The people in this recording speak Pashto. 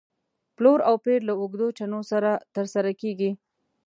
پلور او پېر له اوږدو چنو سره تر سره کېږي.